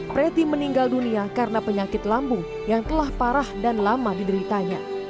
preti meninggal dunia karena penyakit lambung yang telah parah dan lama dideritanya